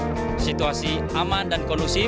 dan mencapai final di indonesia